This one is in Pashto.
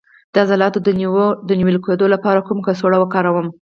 د عضلاتو د نیول کیدو لپاره کومه کڅوړه وکاروم؟